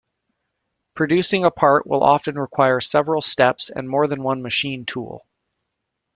Producing a part will often require several steps and more than one machine tool.